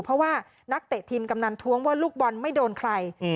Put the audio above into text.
เพราะว่านักเตะทีมกำนันท้วงว่าลูกบอลไม่โดนใคร